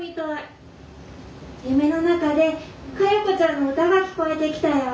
「夢の中で嘉代子ちゃんの歌が聞こえてきたよ。